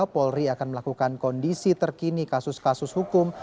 polri akan melakukan kondisi terkini kasus kasus hukum